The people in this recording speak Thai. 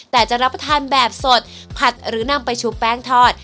แต่จะรับประทานแบบสดผัดหรือนำไปชุบแป้งทอด